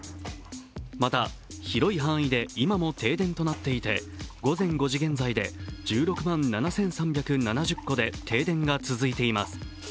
また、広い範囲で今も停電となっていて午前５時現在で１６万７３７０戸で停電が続いています。